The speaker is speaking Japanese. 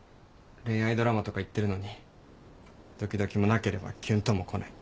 恋愛ドラマとか言ってるのにドキドキもなければきゅんともこない。